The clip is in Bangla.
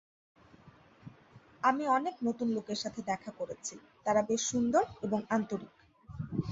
আমি অনেক নতুন লোকের সাথে দেখা করেছি, তারা বেশ সুন্দর এবং আন্তরিক।